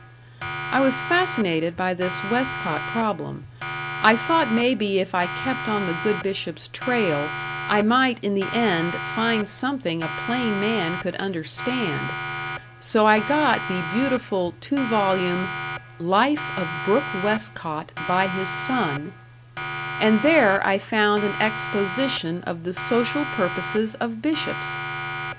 I was fascinated by this Westcott problem; I thought maybe if I kept on the good Bishop's trail, I might in the end find something a plain man could understand; so I got the beautiful two volume "Life of Brooke Westcott, by his Son" and there I found an exposition of the social purposes of bishops!